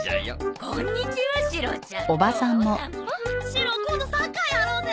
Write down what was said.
シロ今度サッカーやろうぜ！